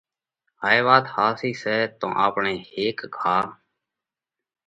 هائي وات جي ۿاسي سئہ تو آپڻئہ ھيڪ ڪا